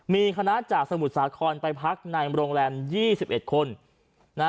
มีคณะจากสมุทรสาครไปพักในโรงแรม๒๑คน